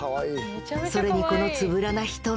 それにこのつぶらな瞳！